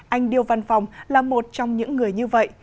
anh điêu văn phòng là một trong những người như vậy